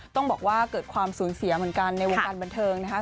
ต้องบอกว่าเกิดความสูญเสียเหมือนกันในวงการบันเทิงนะคะ